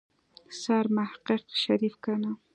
سرمحقق شريف کنه.